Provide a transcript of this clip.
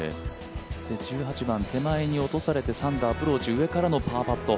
１８番、手前に落とされた３打アプローチ、上からのパーパット。